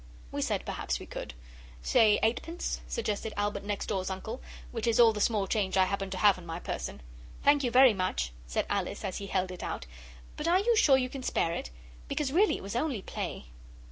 We said perhaps we could. 'Say eightpence,' suggested Albert next door's uncle, 'which is all the small change I happen to have on my person.' 'Thank you very much,' said Alice as he held it out; 'but are you sure you can spare it? Because really it was only play.